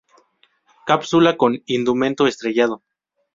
Cápsula con indumento estrellado.